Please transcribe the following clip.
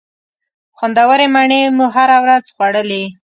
خوندورې مڼې مو هره ورځ خوړلې.